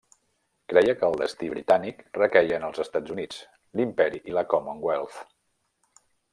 Creia que el destí britànic requeia en els Estats Units, l'imperi i la Commonwealth.